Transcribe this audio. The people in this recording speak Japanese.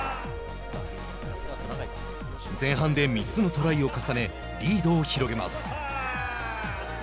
前半で３つのトライを重ねリードを広げます。